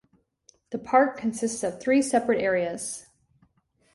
The Park consists of three separate areas.